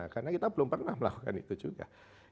karena kita belum pernah melakukan itu juga